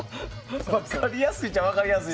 分かりやすいっちゃ分かりやすい。